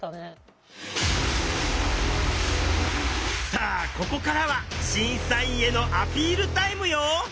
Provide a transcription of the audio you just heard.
さあここからは審査員へのアピールタイムよ。